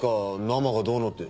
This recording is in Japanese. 生がどうのって。